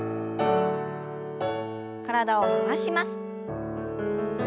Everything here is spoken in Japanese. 体を回します。